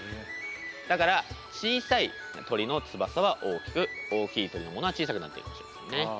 だから小さい鳥の翼は大きく大きい鳥のものは小さくなっているかもしれませんね。